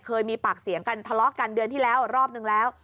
เคยมีปากเสียงกันทะเลาะกันเดือนที่แล้วรอบนึงแล้ว